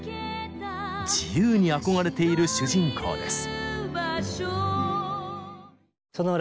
自由に憧れている主人公です。